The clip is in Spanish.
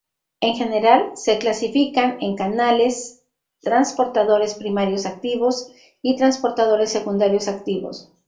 En general, se clasifican en canales, transportadores primarios activos y transportadores secundarios activos.